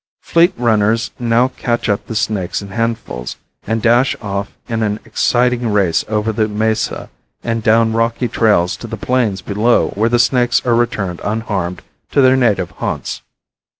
Fleet runners now catch up the snakes in handfuls and dash off in an exciting race over the mesa and down rocky trails to the plains below where the snakes are returned unharmed to their native haunts.